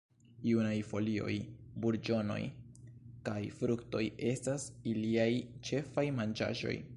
Junaj folioj, burĝonoj kaj fruktoj estas iliaj ĉefaj manĝaĵoj.